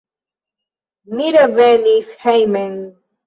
Mi revenis hejmen.